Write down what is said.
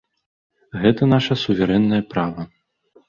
Гэта наша суверэннае права.